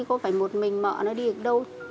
có phải một mình mợ nó đi được đâu